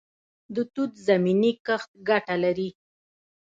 د توت زمینی کښت ګټه لري؟